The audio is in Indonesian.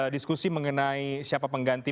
diskusi mengenai siapa pengganti